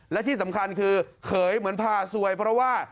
และที่สำคัญคือเขยเหมือนพาซวยเพราะว่า